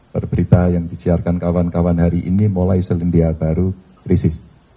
perberita yang disiarkan kawan kawan hari ini mulai selandia baru krisis